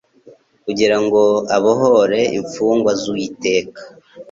kugira ngo abohore imfugwa z'Uwiteka,